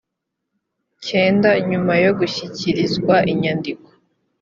cyenda nyuma yo gushyikirizwa inyandiko